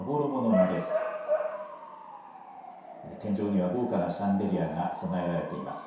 天井には豪華なシャンデリアが備えられています。